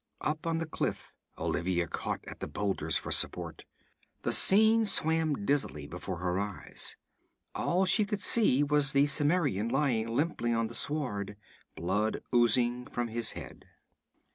Up on the cliff Olivia caught at the boulders for support. The scene swam dizzily before her eyes; all she could see was the Cimmerian lying limply on the sward, blood oozing from his head.